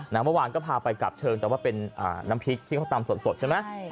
เมื่อวานก็พาไปกลับเชิงแต่ว่าเป็นน้ำพริกที่เขาตำสดใช่ไหม